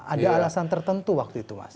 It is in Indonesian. ada alasan tertentu waktu itu mas